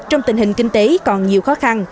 trong tình hình kinh tế còn nhiều khó khăn